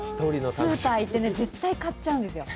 スーパー行って、絶対買っちゃうんですよ